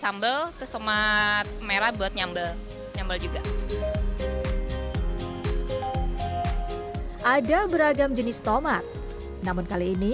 sambal terus tomat merah buat nyambel nyambel juga ada beragam jenis tomat namun kali ini